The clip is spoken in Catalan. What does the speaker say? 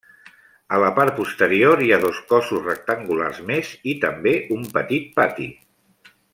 A la part posterior hi ha dos cossos rectangulars més, i també un petit pati.